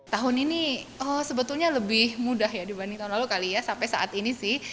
tahun ini sebetulnya lebih mudah ya dibanding tahun lalu kali ya sampai saat ini sih